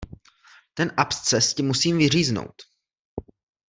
Ten absces ti musím vyříznout.